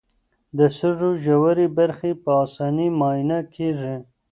د سږو ژورې برخې په اسانۍ معاینه کېږي.